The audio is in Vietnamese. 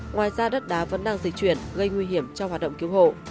ngoài ra đất đá vẫn đang di chuyển gây nguy hiểm cho hoạt động cứu hộ